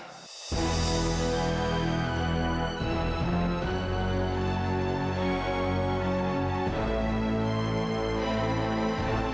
kepala kota jepang